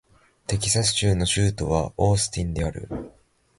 テキサス州の州都はオースティンである